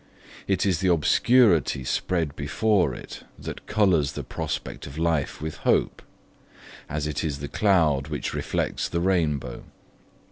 It is the obscurity spread before it that colours the prospect of life with hope, as it is the cloud which reflects the rainbow.